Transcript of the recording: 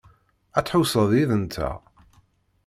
Ad tḥewwseḍ yid-nteɣ?